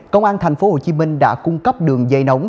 công an tp hcm đã cung cấp đường dây nóng